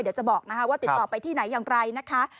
เดี๋ยวจะบอกนะคะว่าติดต่อไปที่ไหนอย่างไรนะคะ